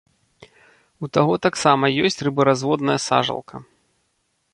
У таго таксама ёсць рыбаразводная сажалка.